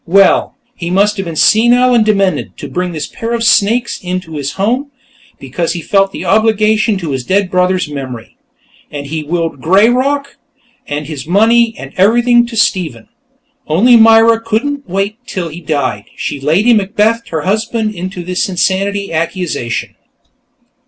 Well, he must have been senile and demented, to bring this pair of snakes into his home, because he felt an obligation to his dead brother's memory. And he'd willed "Greyrock," and his money, and everything, to Stephen. Only Myra couldn't wait till he died; she'd Lady Macbethed her husband into this insanity accusation.